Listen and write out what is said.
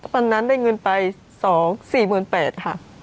วันนั้นได้เงินไป๒๔๘๐๐บาทค่ะ